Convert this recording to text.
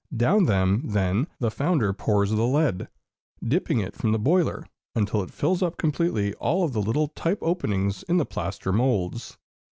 Down them, then, the founder pours the lead, dipping it from the boiler, until it fills up completely all the little type openings in the plaster moulds.